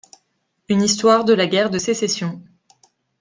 Une histoire de la guerre de Sécession.